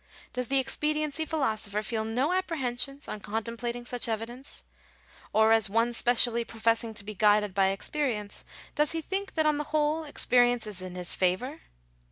Does the expediency philoso pher feel no apprehensions on contemplating such evidence ? Or, as one specially professing to be guided by dxperience, does he think that on the whole experience is in his favour